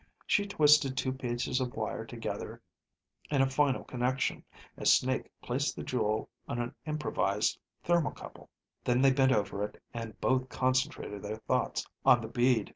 She twisted two pieces of wire together in a final connection as Snake placed the jewel on an improvised thermocouple. Then they bent over it and both concentrated their thoughts on the bead.